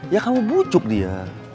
ya kamu bucuk dia